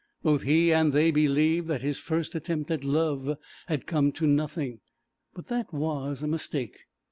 Both he and they believed that his first attempt at love had come to nothing, but that was a mistake.